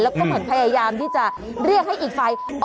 แล้วก็เสม็นพยายามที่จะเรียกให้อีกฝ่ายออกไปต่อย